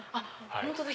本当だ！